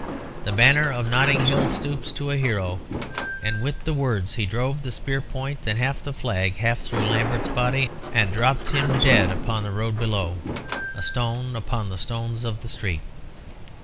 'The banner of Notting Hill stoops to a hero.' And with the words he drove the spear point and half the flag staff through Lambert's body and dropped him dead upon the road below, a stone upon the stones of the street.